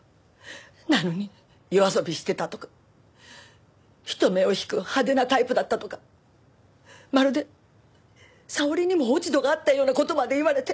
なのに夜遊びしてたとか人目を引く派手なタイプだったとかまるで沙織にも落ち度があったような事まで言われて。